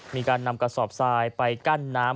มีการนำกระสอบทรายไปกั้นน้ำ